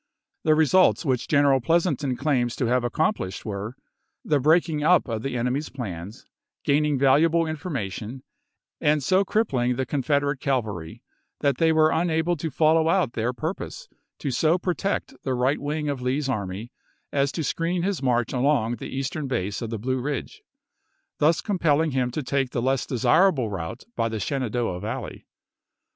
The results which General Pleasonton claims to have accomplished were : the breaking up of the enemy's plans, gain ing valuable information, and so crippling the Confederate cavalry that they were unable to fol low out their purpose to so protect the right wing of Lee's army as to screen his march along the eastern base of the Blue Eidge; thus compelling him to take the less desirable route by the Shenan Report doah Valley.